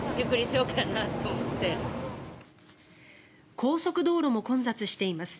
高速道路も混雑しています。